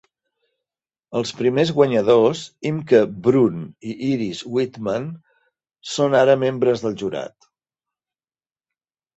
Els primers guanyadors, Imke Brun i Iris Wittmann, són ara membres del jurat.